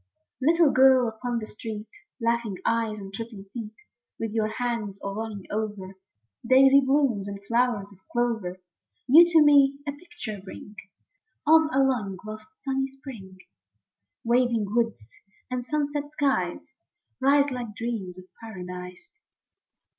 ITTLE girl upon the street, Laughing eyes and tripping feet, With your hands all running over Daisy blooms and flowers of clover, You to me a picture bring Of a long lost sunny spring ; Waving woods and sunset skies Rise like dreams of paradise.